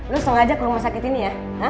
lu sengaja ke rumah sakit ini ya